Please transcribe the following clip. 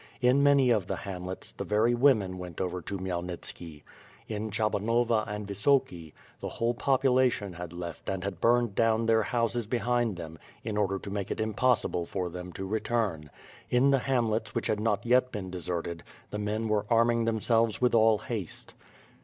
In many of the hamlets, the very women went over to Khmyelnitski. In Chabanovka and Wisoki, the whole popu WITH MRB AND SWORD. 575 lation had left and had burned down their houses behind them, in order to make it impossible for them to return. In the hamlets which had not yet been deserted, the men were arming themselves with all haste.